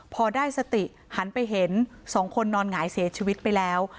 พอได้สติหันไปเห็นสองคนนอนหงายเสียชีวิตไปแล้ว